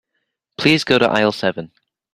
Please go to aisle seven.